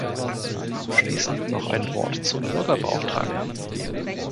Abschließend noch ein Wort zum Bürgerbeauftragten.